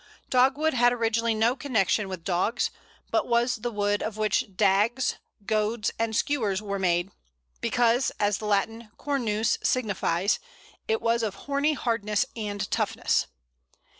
Dogwood had originally no connection with dogs, but was the wood of which dags, goads, and skewers were made, because, as the Latin Cornus signifies, it was of horny hardness and toughness.